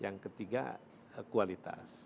yang ketiga kualitas